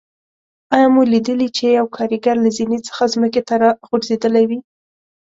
آیا مو لیدلي چې یو کاریګر له زینې څخه ځمکې ته راغورځېدلی وي.